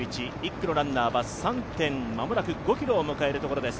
区のランナーは３．５ｋｍを迎えるところです。